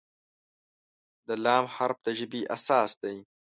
د "ل" حرف د ژبې اساس دی.